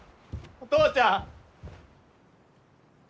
お父ちゃん！